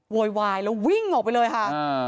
โวยวายแล้ววิ่งออกไปเลยค่ะ